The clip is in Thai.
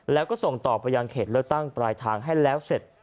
แล้วก็ส่งต่อไปยังเขตเลือกตั้งปลายทางให้แล้วเสร็จ